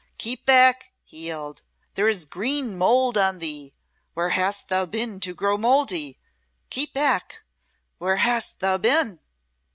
"Keep back!" he yelled. "There is green mould on thee. Where hast thou been to grow mouldy? Keep back! Where hast thou been?"